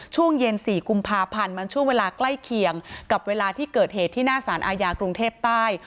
ช่วงเย็น๔กุมภาพันธ์มันช่วงเวลาใกล้เคียงกับเวลาที่เกิดเหตุที่หน้าสารอาญากรุงเทพใต้